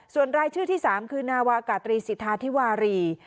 ส่วนรายชื่อที่๓คือนาวากาตรีสิทธาธิวารี